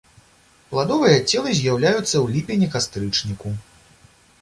Пладовыя целы з'яўляюцца ў ліпені-кастрычніку.